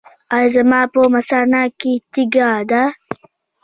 ایا زما په مثانه کې تیږه ده؟